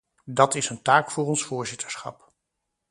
Dat is een taak voor ons voorzitterschap.